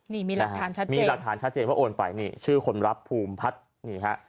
นี่มีหลักฐานชัดเจนมีหลักฐานชัดเจนว่าโอนไปนี่ชื่อคนรับภูมิพัฒน์นี่ฮะ